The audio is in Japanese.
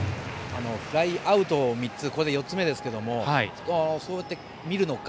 フライアウトこれで４つ目ですけどそうやって見るのか